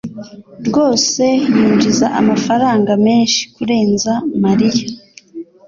rwose yinjiza amafaranga menshi kurenza Mariya.